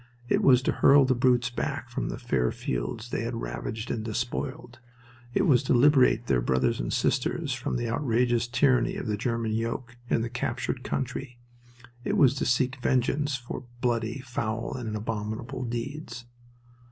It was to hurl the brutes back from the fair fields they had ravaged and despoiled. It was to liberate their brothers and sisters from the outrageous tyranny of the German yoke in the captured country. It was to seek vengeance for bloody, foul, and abominable deeds.